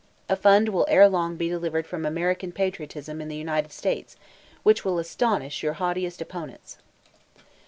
A fund will erelong be derived from American patriotism in the United States, which will astonish your haughtiest opponents."